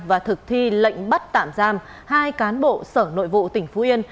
và thực thi lệnh bắt tạm giam hai cán bộ sở nội vụ tỉnh phú yên